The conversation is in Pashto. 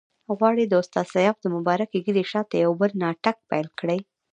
غواړي د استاد سیاف د مبارکې ږیرې شاته یو بل ناټک پیل کړي.